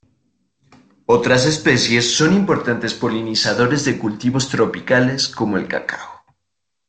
Otras especies son importantes polinizadores de cultivos tropicales como el cacao.